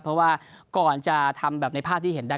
เพราะว่าก่อนจะทำแบบในภาพที่เห็นได้